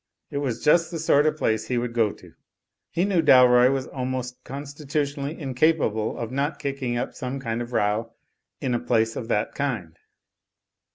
It was just the sort of place he would go to. He knew Dalroy was almost constitutionally incapable of not kicking up some kind of row in a place of that kind.